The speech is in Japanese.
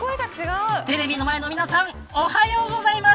テレビの前の皆さんおはようございます。